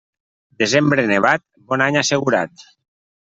Desembre nevat, bon any assegurat.